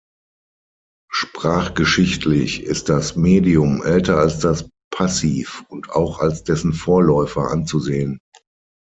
Sprachgeschichtlich ist das Medium älter als das Passiv und auch als dessen Vorläufer anzusehen.